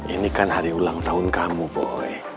ini kan hari ulang tahun kamu boleh